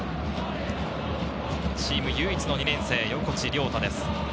チーム唯一の２年生・横地亮太です。